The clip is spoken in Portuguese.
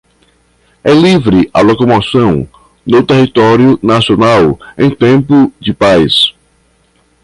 é livre a locomoção no território nacional em tempo de paz